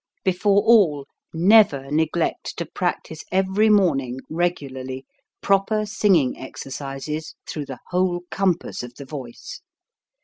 Before all, never neglect to practise every morning, regularly, proper singing exercises through the whole compass of the voice.